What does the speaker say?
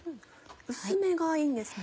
薄めがいいんですね。